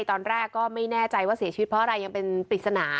ตอนแรกก็ไม่แน่ใจว่าเสียชีวิตเพราะอะไรยังเป็นปริศนา